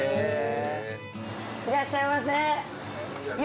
いらっしゃいませ。